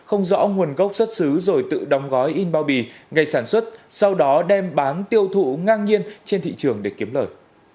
không rõ nguồn gốc xuất xứ rồi tự đóng gói in bao bì ngày sản xuất sau đó đem bán tiêu thụ ngang nhiên trên thị trường để kiếm lời